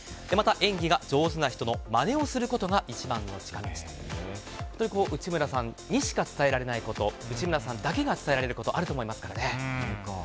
また、演技が上手な人のまねをすることが一番の近道という本当に内村さんにしか伝えられないこと内村さんだけが伝えられることあると思いますからね。